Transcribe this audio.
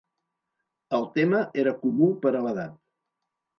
El tema era comú per a l'edat.